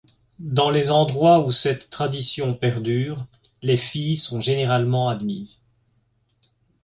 Dans les endroits où cette tradition perdure, les filles sont généralement admises.